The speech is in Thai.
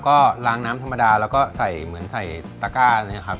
ก็ล้างน้ำสมดาห์แล้วก็ใส่เหมือนใส่ตาก้า